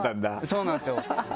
そうなんですよ。